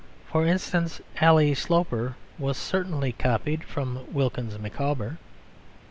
For instance, "Ally Sloper" was certainly copied from Wilkins Micawber.